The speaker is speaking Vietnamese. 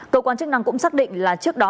cơ quan chức năng cũng xác định là trước đó